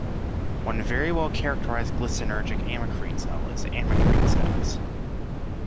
One very well characterized glycinergic amacrine cell is the Amacrine cells.